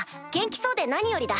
そうで何よりだ。